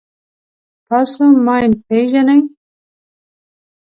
تاسو ماین پېژنئ.